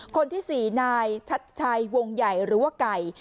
คนที่๔นายชัดชัยวงใหญ่หรือว่าไก่